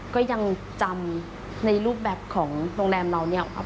ก็ยังจำในรูปแบบของโรงแรมเรา